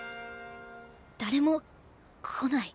誰もこない。